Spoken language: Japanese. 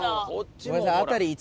ごめんなさい。